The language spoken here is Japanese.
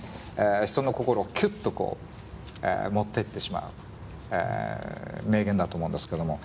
人の心をきゅっとこう持ってってしまう名言だと思うんですけども。